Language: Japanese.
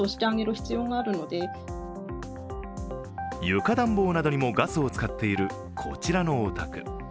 床暖房などにもガスを使っている、こちらのお宅。